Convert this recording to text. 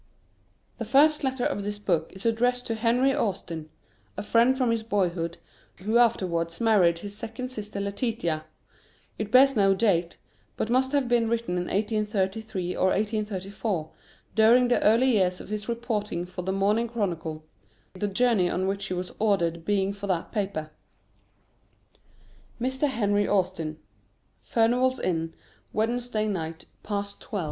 The first letter of this book is addressed to Henry Austin, a friend from his boyhood, who afterwards married his second sister Letitia. It bears no date, but must have been written in 1833 or 1834, during the early days of his reporting for The Morning Chronicle; the journey on which he was "ordered" being for that paper. [Sidenote: Mr. Henry Austin.] FURNIVAL'S INN, _Wednesday Night, past 12.